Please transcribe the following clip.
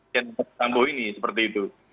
di jenderal jambu ini seperti itu